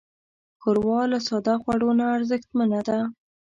ښوروا له ساده خوړو نه ارزښتمنه ده.